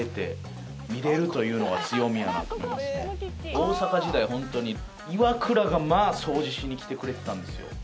大阪時代ホントにイワクラがまあ掃除しに来てくれてたんですよ。